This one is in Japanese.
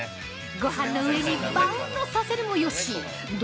ごはんの上にバウンドさせるもよし丼